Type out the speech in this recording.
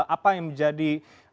apa yang menjadi